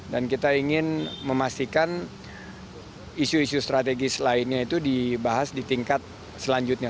dan kita ingin memastikan isu isu strategis lainnya itu dibahas di tingkat selanjutnya